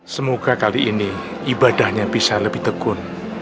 semoga kali ini ibadahnya bisa lebih tekun